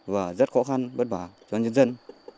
và rất khó khăn bất bảo cho nhân dân